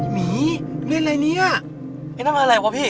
หมีเล่นอะไรเนี่ยไอ้นั่นอะไรวะพี่